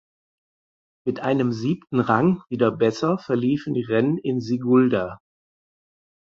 Mit einem siebten Rang wieder besser verliefen die Rennen in Sigulda.